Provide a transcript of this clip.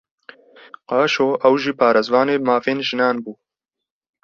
Qaşo ew jî parêzvana mafên jinan bû